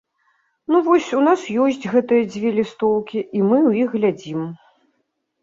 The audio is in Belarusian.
Ну, вось у нас ёсць гэтыя дзве лістоўкі, і мы ў іх глядзім.